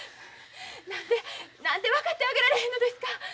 何で何で分かってあげられへんのですか。